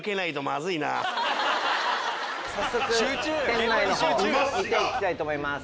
店内見ていきたいと思います。